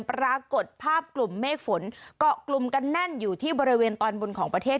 ปรากฏภาพกลุ่มเมฆฝนเกาะกลุ่มกันแน่นอยู่ที่บริเวณตอนบนของประเทศ